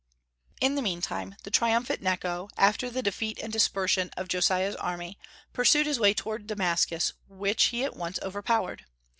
In the meantime the triumphant Necho, after the defeat and dispersion of Josiah's army, pursued his way toward Damascus, which he at once overpowered.